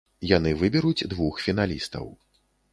Яны выберуць двух фіналістаў.